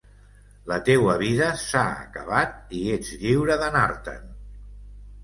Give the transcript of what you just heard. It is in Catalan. La teua vida s’ha acabat i ets lliure d’anar-te'n.